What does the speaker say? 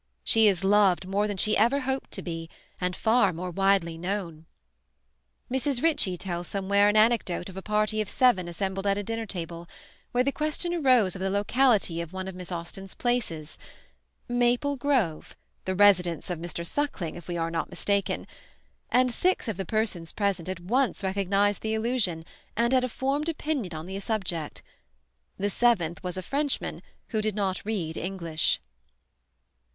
She is loved more than she ever hoped to be, and far more widely known. Mrs. Ritchie tells somewhere an anecdote of a party of seven assembled at a dinner table, where the question arose of the locality of one of Miss Austen's places, Maple Grove, the residence of Mr. Suckling, if we are not mistaken, and six of the persons present at once recognized the allusion, and had a formed opinion on the subject. The seventh was a Frenchman who did not read English!